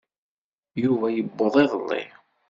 Yuba yewweḍ iḍelli.